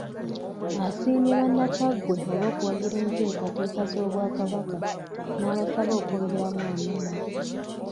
Asiimye Bannakyaggwe olw'okuwagira enteekateeka z'Obwakabaka n'abasaba okwongeramu amaanyi.